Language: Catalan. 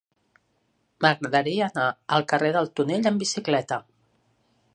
M'agradaria anar al carrer del Tonell amb bicicleta.